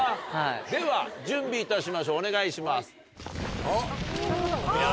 では準備いたしましょうお願いします。